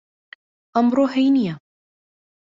ئەمڕۆ هەینییە.